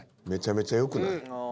めちゃめちゃよくない？